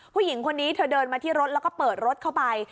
ผู้หญิงคนนี้เธอเดินมาที่รถแล้วก็เปิดรถเข้าไป